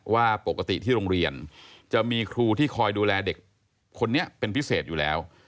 ว่าปกติที่โรงเรียนจะมีครูที่คอยดูแลเด็กคนนี้เป็นพิเศษอยู่แล้ว